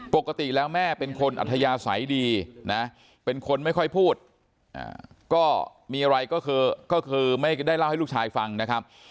ปกติแล้วแม่เป็นคนอัธยาศัยดีนะเป็นคนไม่ค่อยพูดก็มีอะไรก็คือไม่ได้เล่าให้ลูกชายฟังนะครับ